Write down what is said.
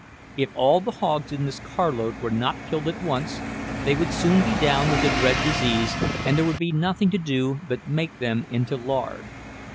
If all the hogs in this carload were not killed at once, they would soon be down with the dread disease, and there would be nothing to do but make them into lard.